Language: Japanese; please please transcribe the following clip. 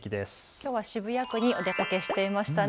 きょうは渋谷区にお出かけしていましたね。